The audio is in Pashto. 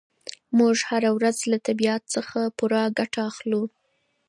موږ هره ورځ له طبیعت څخه پوره ګټه اخلو.